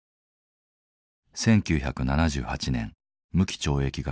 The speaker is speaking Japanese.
１９７８年無期懲役が確定。